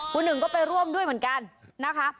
คุณหนึ่งก็ไปร่วมด้วยเหมือนกันนะคะ